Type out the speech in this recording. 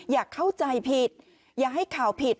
อย่าเข้าใจผิดอย่าให้ข่าวผิด